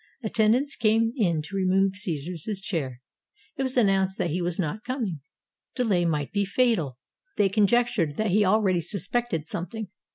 Attendants came in to remove Caesar's chair. It was announced that he was not coming. Delay might be fatal. They conjectured that he already suspected something.